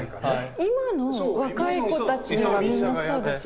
今の若い子たちがみんなそうですよね。